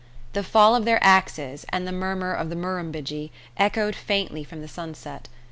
The fall of their axes and the murmur of the Murrumbidgee echoed faintly from the sunset.